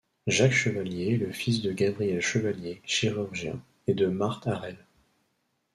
Jacques Chevallier est le fils de Gabriel Chevallier, chirurgien, et de Marthe Harel.